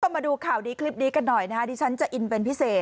มาดูข่าวดีคลิปนี้กันหน่อยนะฮะดิฉันจะอินเป็นพิเศษ